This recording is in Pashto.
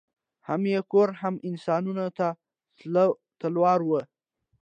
هم یې کور هم انسانانو ته تلوار وو